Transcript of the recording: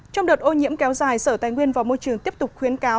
trong đợt ô nhiễm kéo dài sở tài nguyên và môi trường tiếp tục khuyến cáo